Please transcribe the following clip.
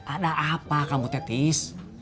ada apa kamu tetis